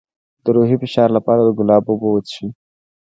د روحي فشار لپاره د ګلاب اوبه وڅښئ